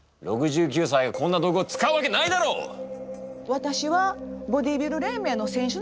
私はボディビル連盟の選手なんです。